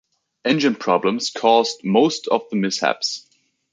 Engine problems caused most of the mishaps.